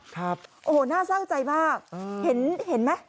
ครับโอ้โฮน่าสร้างใจมากเห็นไหม